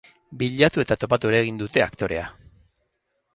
Bilatu eta topatu ere egin dute aktorea!